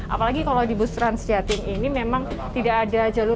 apalagi kalau di bus transjati ini memang tidak ada jalur